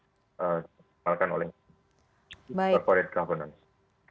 dianggarkan oleh corporate governance